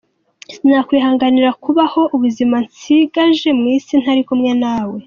Sinakwihanganira kubaho ubuzima nsigaje ku isi ntari kumwe nawe.